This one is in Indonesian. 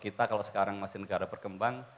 kita kalau sekarang masih negara berkembang